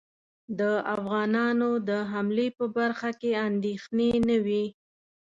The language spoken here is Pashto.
د افغانانو د حملې په برخه کې اندېښنې نه وې.